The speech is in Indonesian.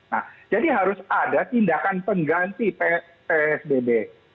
nah jadi harus ada tindakan pengganti psbb